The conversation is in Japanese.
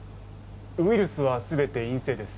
ウイルスは全て陰性です。